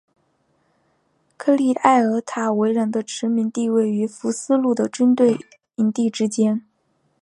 科利埃尔塔维人的殖民地位于福斯路的军队营地之间。